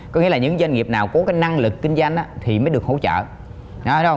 có nghĩa là những doanh nghiệp nào có cái năng lực kinh doanh thì mới được hỗ trợ